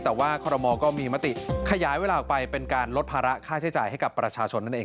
แต่ว่าคอรมอลก็มีมติขยายเวลาออกไปเป็นการลดภาระค่าใช้จ่ายให้กับประชาชนนั่นเอง